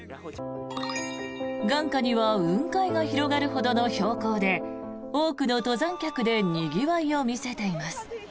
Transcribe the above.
眼下には雲海が広がるほどの標高で多くの登山客でにぎわいを見せています。